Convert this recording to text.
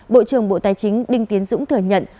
bộ trưởng bộ tài chính đinh tiến dũng thừa nhận